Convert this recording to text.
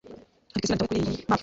Andika izina ryawe kuriyi mpapuro.